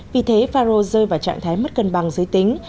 vì thế faro rơi vào trạng thái mất cân bằng giới tính